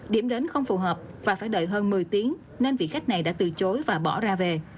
điểm đến không phù hợp và phải đợi hơn một mươi tiếng nên vị khách này đã từ chối và bỏ ra về